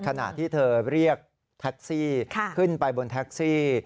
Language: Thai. ขณะที่เธอเรียกแท็กซี่ขึ้นไปบนแท็กซี่